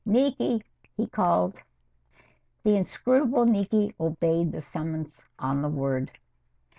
Niki!" he called. The inscrutable Niki obeyed the summons on the word.